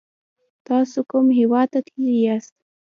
تاسو کوم هیواد ته تللی یاست؟